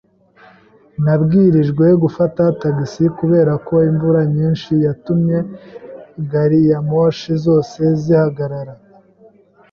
Nabwirijwe gufata tagisi kubera ko imvura nyinshi yatumye gariyamoshi zose zihagarara.